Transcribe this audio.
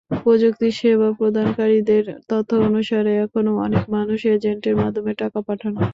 প্রযুক্তি সেবা প্রদানকারীদের তথ্য অনুসারে, এখনো অনেক মানুষ এজেন্টের মাধ্যমেই টাকা পাঠান।